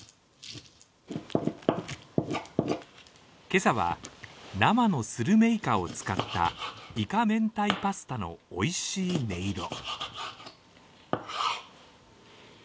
今朝は生のするめいかを使ったイカ明太パスタのおいしい音色。